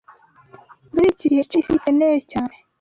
Muri iki gihe, icyo isi ikeneye cyane